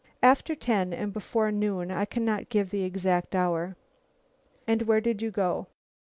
"After ten and before noon. I cannot give the exact hour." "And where did you go?"